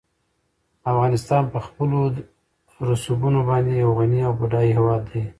افغانستان په خپلو رسوبونو باندې یو غني او بډای هېواد دی.